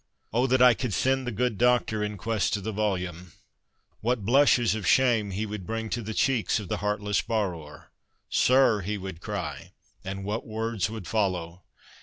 Oh, that I could send the good doctor in quest of the volume ! What blushes of shame he would bring to the cheeks of the heartless borrower !' Sir !' he would cry. And what words would follow